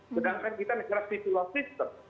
sedangkan kita negara negara civil law system